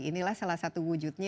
inilah salah satu wujudnya